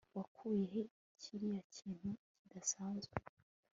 wakuye he kiriya kintu kidasanzwe